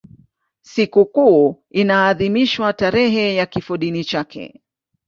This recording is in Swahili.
Sikukuu inaadhimishwa tarehe ya kifodini chake.